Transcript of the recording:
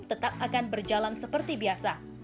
tetap akan berjalan seperti biasa